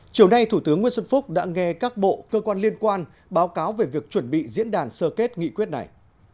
chiều nay thủ tướng nguyễn xuân phúc đã nghe các bộ cơ quan liên quan báo cáo về việc chuẩn bị diễn đàn sơ kết nghị quyết này